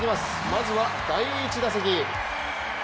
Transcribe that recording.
まずは第１打席。